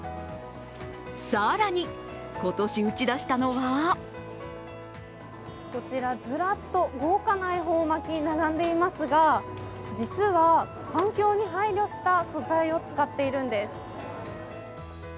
更に、今年打ち出したのはこちら、ずらっと豪華な恵方巻きが並んでいますが、実は環境に配慮した素材を使っているんです。